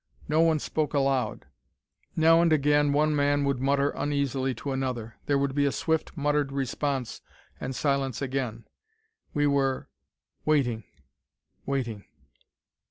No one spoke aloud. Now and again one man would matter uneasily to another; there would be a swift, muttered response, and silence again. We were waiting waiting.